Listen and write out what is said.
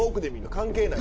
関係ない？